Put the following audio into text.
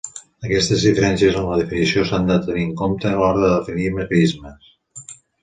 Aquestes diferències en la definició s'han de tenir en compte a l'hora de definir mecanismes.